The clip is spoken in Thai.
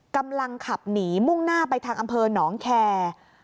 กำลังขับหนีมุ่งหน้าไปทางอำเภอหนองแคร์